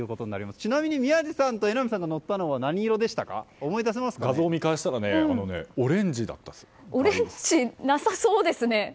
ちなみにお二人が乗ったのは画像を見返したらオレンジはなさそうですね。